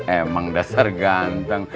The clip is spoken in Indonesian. emang dasar ganteng